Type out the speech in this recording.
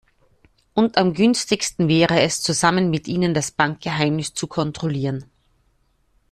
Und am günstigsten wäre es, zusammen mit Ihnen das Bankgeheimnis zu kontrollieren.